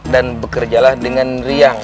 dan bekerjalah dengan riang